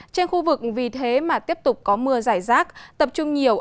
trên khu vực vì thế mà tiếp tục có mưa giải rác tập trung nhiều